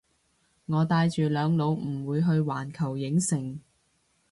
我帶住兩老唔會去環球影城